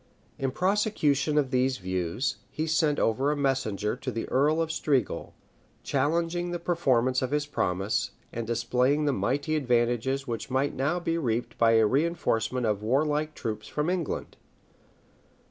In prosecution of these views, he sent over a messenger to the earl of Strigul, challenging the performance of his promise, and displaying the mighty advantages which might now be reaped by a reënforcement of warlike troops from England.